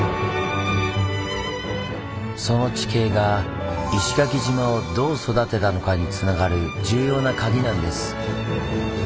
その地形が石垣島をどう育てたのかにつながる重要なカギなんです。